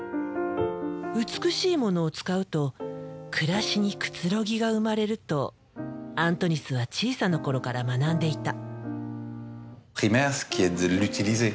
美しいものを使うと暮らしにくつろぎが生まれるとアントニスは小さな頃から学んでいた。